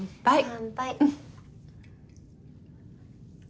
乾杯。